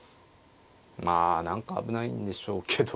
まあ何か危ないんでしょうけど。